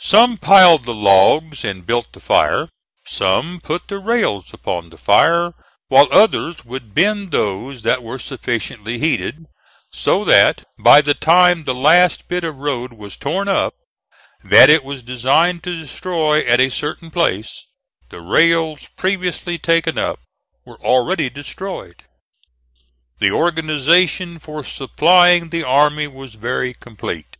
Some piled the logs and built the fire; some put the rails upon the fire; while others would bend those that were sufficiently heated: so that, by the time the last bit of road was torn up, that it was designed to destroy at a certain place, the rails previously taken up were already destroyed. The organization for supplying the army was very complete.